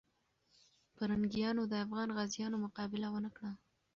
پرنګیانو د افغان غازیانو مقابله ونه کړه.